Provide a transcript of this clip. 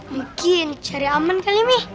mungkin cari aman kali mi